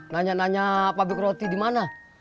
nanya nanya pabrik roti dimana